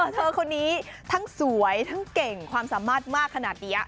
เธอคนนี้ทั้งสวยทั้งเก่งความสามารถมากขนาดนี้